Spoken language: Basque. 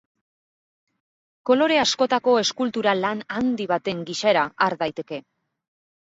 Kolore askotako eskultura lan handi baten gisara har daiteke.